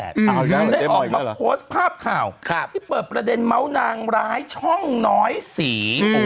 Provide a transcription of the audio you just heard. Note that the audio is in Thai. ได้ออกมาโพสต์ภาพข่าวที่เปิดประเด็นเมาส์นางร้ายช่องน้อยสี